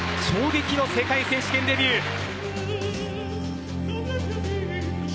衝撃の世界選手権デビュー。